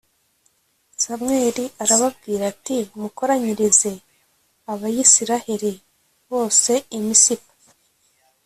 samweli arababwira ati mukoranyirize abayisraheli bose i misipa